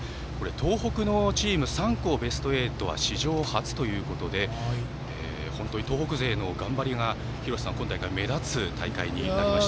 東北のチーム３校、ベスト８は史上初ということで本当に東北勢の頑張りが今大会、目立つ大会になりました。